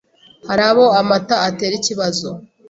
Hari abo amata atera ikibazo,